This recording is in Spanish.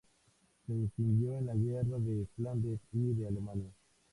Se distinguió en la guerra de Flandes y de Alemania.